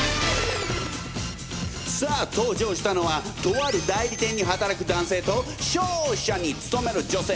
さあ登場したのはとある代理店に働く男性と商社に勤める女性。